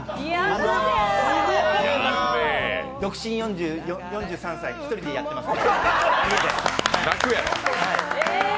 独身４３歳、１人でやってます。